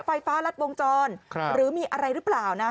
ไฟฟ้ารัดวงจรหรือมีอะไรหรือเปล่านะ